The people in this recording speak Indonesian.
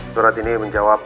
surat ini mengatakan bahwa